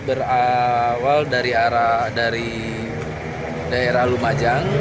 berawal dari daerah lumajang